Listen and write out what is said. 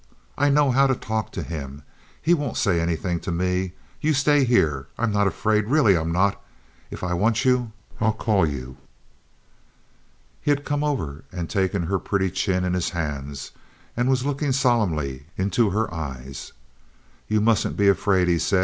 I know how to talk to him. He won't say anything to me. You stay here. I'm not afraid—really, I'm not. If I want you, I'll call you." He had come over and taken her pretty chin in his hands, and was looking solemnly into her eyes. "You mustn't be afraid," he said.